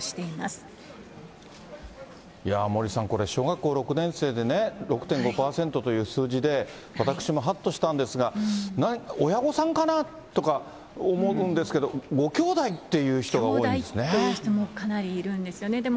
いやぁ、森さん、これ、小学校６年生で６．５％という数字で、私もはっとしたんですが、親御さんかなとか思うんですけども、ごきょうだいという人が多いんですね。